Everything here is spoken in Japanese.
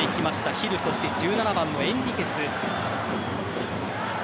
ヒル、そして１７番のエンリケス。